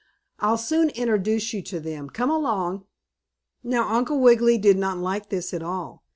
"I'll soon introduce you to them. Come along!" Now Uncle Wiggily did not like this at all.